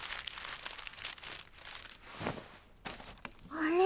あれ？